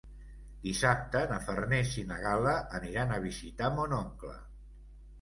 Dissabte na Farners i na Gal·la aniran a visitar mon oncle.